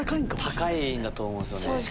高いんだと思うんすよね。